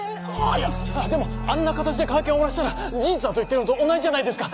いやでもあんな形で会見終わらせたら事実だと言ってるのと同じじゃないですか！